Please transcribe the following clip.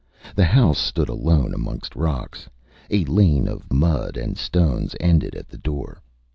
The house stood alone amongst rocks. A lane of mud and stones ended at the door.